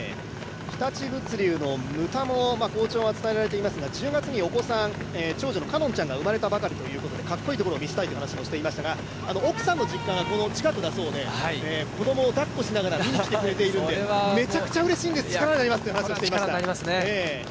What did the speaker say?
日立物流の牟田も好調が伝えられていますが、１０月にお子さん、長女の楓音ちゃんが生まれたということでかっこいいところを見せたいという話もしていましたが、奥さんの実家がこの近くだそうで、子供をだっこしながら見に来てくれていそうで、力になりますという話をしていましたね。